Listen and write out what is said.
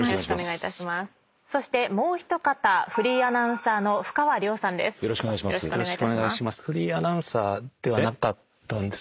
そしてもう一方フリーアナウンサーのふかわりょうさんです。